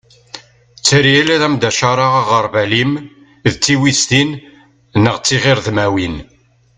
tteryel ad am-d-ččareγ aγerbal-im d tiwiztin neγ tiγredmiwin